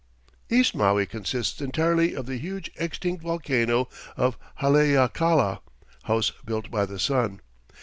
East Maui consists entirely of the huge extinct volcano of Haleakala, "house built by the sun."